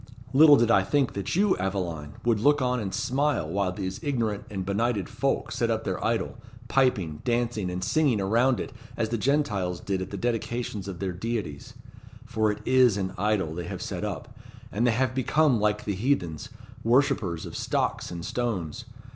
Little did I think that you, Aveline, would look on and smile while these ignorant and benighted folk set up their idol, piping, dancing, and singing around it as the Gentiles did at the dedications of their deities. For it is an idol they have set up, and they have become like the heathens, worshippers of stocks and stones.